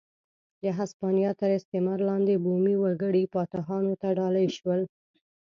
د هسپانیا تر استعمار لاندې بومي وګړي فاتحانو ته ډالۍ شول.